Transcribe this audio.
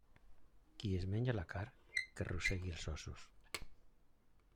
Qui es menja la carn, que rosegui els ossos.